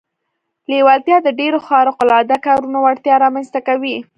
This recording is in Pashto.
لېوالتیا د ډېرو خارق العاده کارونو وړتیا رامنځته کوي